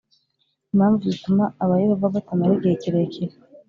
Impamvu zituma abaYehova batamara igihe kirekire